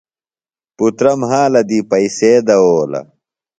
پُترہ مھالہ دی پیئسے دؤولہ۔